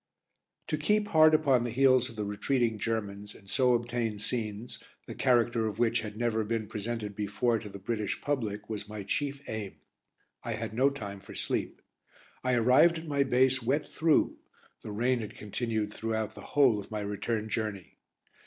To keep hard upon the heels of the retreating Germans and so obtain scenes, the character of which had never been presented before to the British public, was my chief aim. I had no time for sleep. I arrived at my base wet through, the rain had continued throughout the whole of my return journey.